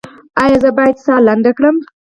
ایا زه باید ساه لنډه کړم؟